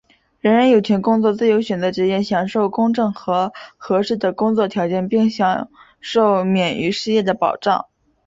人人有权工作、自由选择职业、享受公正和合适的工作条件并享受免于失业的保障。